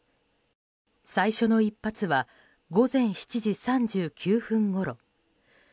最初の１発は午前７時３９分ごろ。